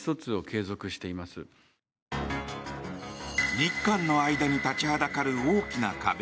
日韓の間に立ちはだかる大きな壁。